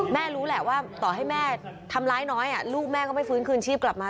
รู้แหละว่าต่อให้แม่ทำร้ายน้อยลูกแม่ก็ไม่ฟื้นคืนชีพกลับมา